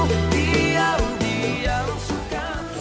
dia yang suka